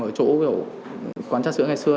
ở chỗ kiểu quán chất sữa ngày xưa